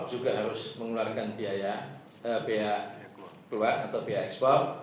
juga harus mengeluarkan biaya keluar atau biaya ekspor